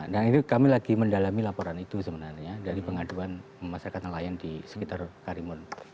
dan itu kami lagi mendalami laporan itu sebenarnya dari pengaduan masyarakat nelayan di sekitar karimun